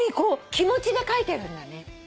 気持ちで書いてるんだね。